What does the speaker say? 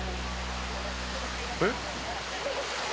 「えっ？」